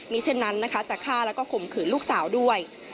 มีเช่นนั้นนะคะจะฆ่าแล้วก็ข่มขืนลูกสาวด้วย